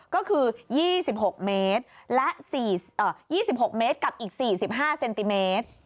ก็คือ๒๖เมตรกับอีก๔๕เซนติเมตร